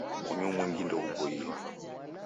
Munyu mwingi ndeghuboie